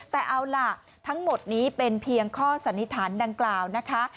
แต่เอาล่ะทั้งหมดนี้เป็นเพียงข้อสันนิษฐานดังกล่าวนะคะ